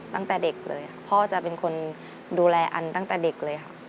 ตั้งแต่เด็กเลยพ่อจะเป็นคนดูแลอันตั้งแต่เด็กเลยค่ะ